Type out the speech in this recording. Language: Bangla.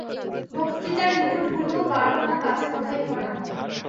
বক্তৃতার রিপোর্টগুলোও বার আনা বাজে কথায় ভরা।